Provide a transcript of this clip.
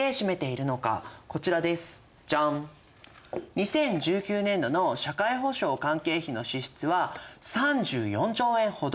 ２０１９年度の社会保障関係費の支出は３４兆円ほど。